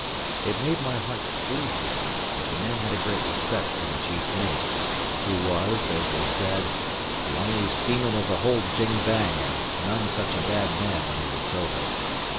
It made my heart bleed; but the men had a great respect for the chief mate, who was, as they said, "the only seaman of the whole jing bang, and none such a bad man when he was sober."